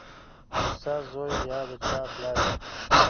استاد زوی یا د چا پلار وي